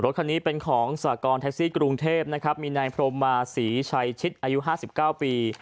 คันนี้เป็นของสากรแท็กซี่กรุงเทพนะครับมีนายพรมมาศรีชัยชิดอายุ๕๙ปี